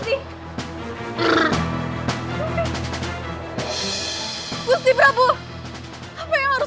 itu jugaenderah tidak membuatmu ragu